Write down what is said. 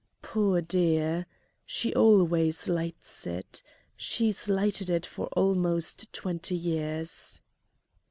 "Poor dear, she always lights it. She's lighted it for almost twenty years."